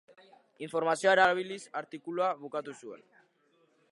Informazioa erabiliz, artikulua bukatu zuen.